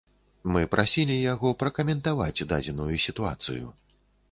Мы папрасілі яго пракаментаваць дадзеную сітуацыю.